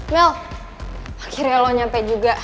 mel akhirnya lo nyampe juga